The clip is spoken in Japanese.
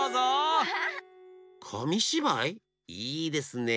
いいですねえ。